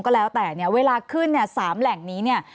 ก็แล้วแต่เนี่ยเวลาขึ้นเนี่ย๓แหล่งนี้เนี่ย